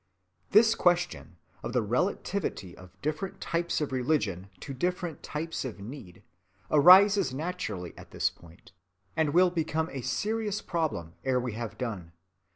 This question, of the relativity of different types of religion to different types of need, arises naturally at this point, and will become a serious problem ere we have done.